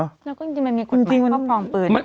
แล้วก็จริงมันมีคุณหมายข้อความปืน